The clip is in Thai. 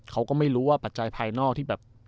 เขาก็ไม่รู้ว่าปัจจัยภายนอกที่แบบ